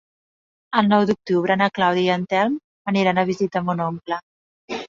El nou d'octubre na Clàudia i en Telm aniran a visitar mon oncle.